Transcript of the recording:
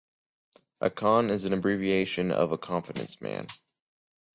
‘A con’ is an abbreviation of confidence man.